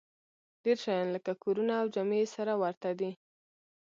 ډېر شیان لکه کورونه او جامې یې سره ورته دي